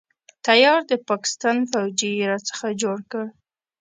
تيار د پاکستان فوجي يې را څخه جوړ کړ.